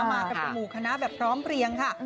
มากันเป็นหมู่คณะแบบพร้อมเพลียงค่ะ